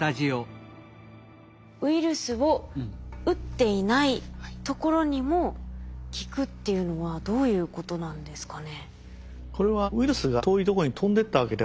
ウイルスを打っていないところにも効くっていうのはどういうことなんですかね？